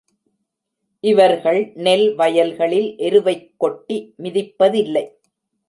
இவர்கள் நெல் வயல்களில் எருவைக் கொட்டி மிதிப்பதில்லை.